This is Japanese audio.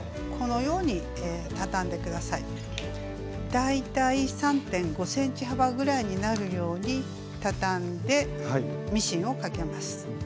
大体３．５ｃｍ幅ぐらいになるようにたたんでミシンをかけます。